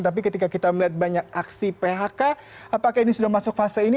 tapi ketika kita melihat banyak aksi phk apakah ini sudah masuk fase ini